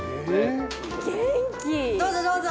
どうぞどうぞ！